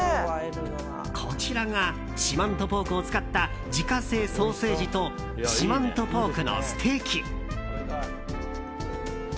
こちらが四万十ポークを使った自家製ソーセージと四万十ポークのステーキ。